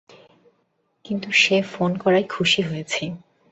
কিন্তু সে ফোন করায় খুশী হয়েছি।